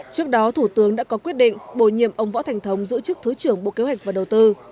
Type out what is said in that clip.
trước đó thủ tướng đã có quyết định bổ nhiệm ông võ thành thống giữ chức thứ trưởng bộ kế hoạch và đầu tư